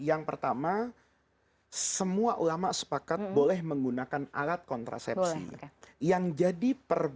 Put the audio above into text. yang pertama semua ulama sepakat boleh menggunakan alat kontrasepsi